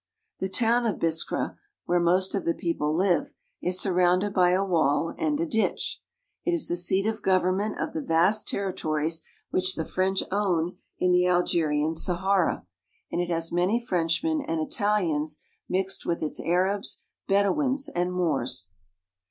The town of Biskra, where most of the people live, is surrounded by a wall and a ditch. It is the seat of gov ernment of the vast territories which the French own IN THE OASIS OF BISKRA 6i I frc 1 the Algerian Sahara, and it has many Frenchmen and Htalians mixed with its Arabs, Bedouins, and Moors.